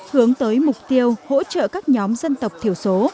hướng tới mục tiêu hỗ trợ các nhóm dân tộc thiểu số